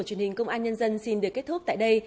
phổ biến chỉ từ ba mươi ba mươi ba độ